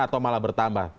atau malah bertambah